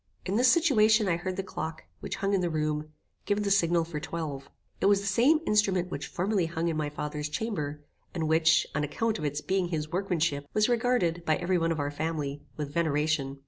In this situation I heard the clock, which hung in the room, give the signal for twelve. It was the same instrument which formerly hung in my father's chamber, and which, on account of its being his workmanship, was regarded, by every one of our family, with veneration.